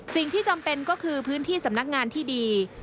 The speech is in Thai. จำเป็นก็คือพื้นที่สำนักงานที่ดี